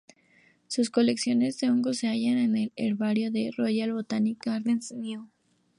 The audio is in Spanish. Sus colecciones de hongos se hallan en el herbario del Royal Botanic Gardens, Kew.